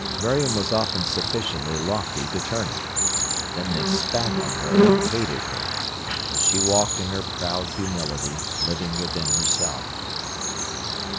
Miriam was often sufficiently lofty to turn it. Then they spat on her and hated her. But she walked in her proud humility, living within herself.